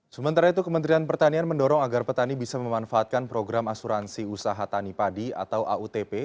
sementara itu kementerian pertanian mendorong agar petani bisa memanfaatkan program asuransi usaha tani padi atau autp